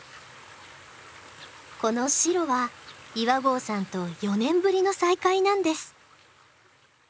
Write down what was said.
このしろは岩合さんと４年ぶりの再会なんです。